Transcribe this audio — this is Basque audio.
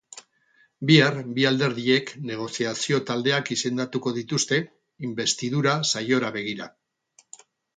Bihar, bi alderdiek negoziazio taldeak izendatuko dituzte, inbestidura saiora begira.